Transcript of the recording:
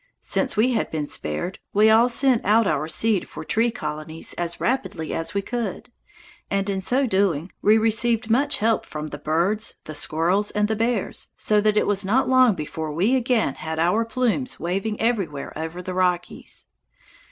Since we had been spared, we all sent out our seed for tree colonies as rapidly as we could, and in so doing we received much help from the birds, the squirrels, and the bears, so that it was not long before we again had our plumes waving everywhere over the Rockies.